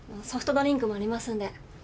ソフトドリンクもありますんで。